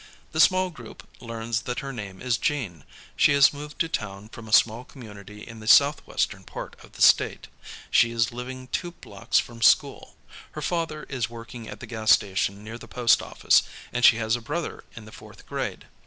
The small group learns that her name is Jean, she has moved to town from a small community in the southwestern part of the State, she is living two blocks from school, her father is working at the gas station near the post office, and she has a brother in fourth grade.